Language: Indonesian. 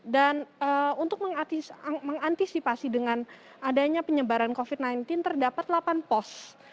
dan untuk mengantisipasi dengan adanya penyebaran covid sembilan belas terdapat delapan pos